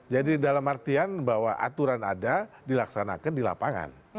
jadi dalam artian bahwa aturan ada dilaksanakan di lapangan